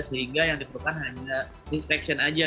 sehingga yang diperlukan hanya inspection aja